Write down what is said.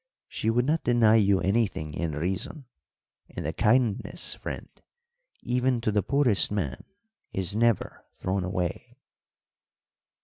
She would not deny you anything in reason; and a kindness, friend, even to the poorest man, is never thrown away."